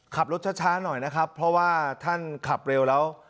ขับรถช้าหน่อยนะครับเพราะว่าท่านขับเร็วแล้ว